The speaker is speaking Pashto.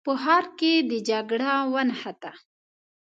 په ښار کې د جګړه ونښته.